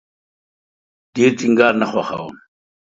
ډیر ټینګار نه خوښوم